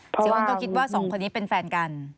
เสียอ้วนก็คิดว่าสองคนนี้เป็นแฟนกัน